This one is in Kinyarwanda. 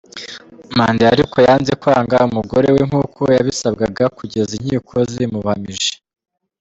Mandela ariko yanze kwanga umugore we nkuko yabisabwaga kugeza inkiko zibimuhamije.